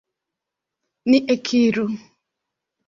Ni ekiru!